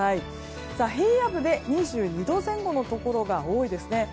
平野部で２２度前後のところが多いですね。